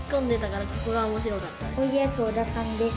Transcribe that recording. おいでやす小田です。